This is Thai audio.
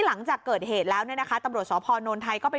หลังจากเกิดเหตุแล้วเนี่ยนะคะตำรวจสพนไทยก็ไป